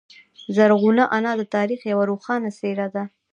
زرغونه انا د تاریخ یوه روښانه څیره ده.